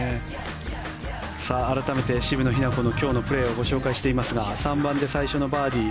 改めて渋野日向子の今日のプレーをご紹介していますが３番で最初のバーディー。